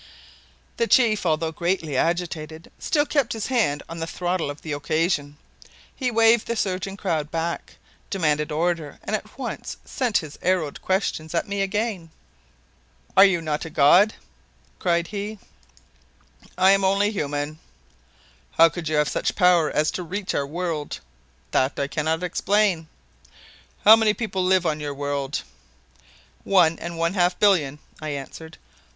The chief, although greatly agitated, still kept his hand on the throttle of the occasion. He waved the surging crowd back, demanded order and at once sent his arrowed questions at me again. "Are you not a god?" cried he. "I am only human." "How could you have such power as to reach our world?" "That I cannot explain." "How many people live on your world?" "One and one half billion," I answered.